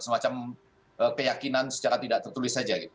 semacam keyakinan secara tidak tertulis saja gitu